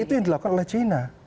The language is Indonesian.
itu yang dilakukan oleh china